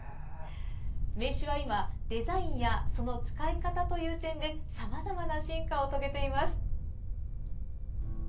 名刺は今、デザインやその使い方という点でさまざまな進化を遂げています。